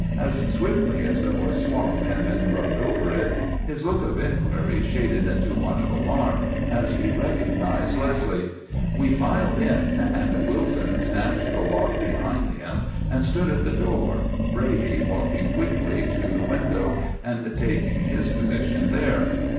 As swiftly as though a swab had been rubbed over it, his look of enquiry shaded into one of alarm, as he recognised Leslie. We filed in and Wilson snapped the lock behind him and stood at the door, Brady walking quickly to the window and taking his position there.